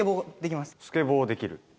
スケボーできる。